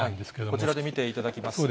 こちらで見ていただきます。